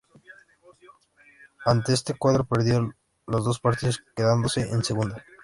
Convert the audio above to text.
Ante este cuadro perdió los dos partidos quedándose en Segunda.